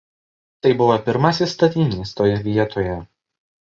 Tai buvo pirmasis statinys toje vietoje.